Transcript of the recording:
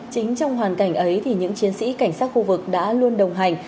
chính trong hoàn cảnh ấy thì những chiến sĩ cảnh sát khu vực đã luôn đồng hành